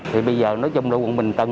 thì bây giờ nói chung là quận bình tân